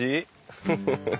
フフフフ。